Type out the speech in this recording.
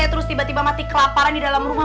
terus tiba tiba mati kelaparan di dalam rumah